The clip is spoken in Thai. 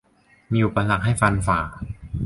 มีอุปสรรคให้ฟันฝ่า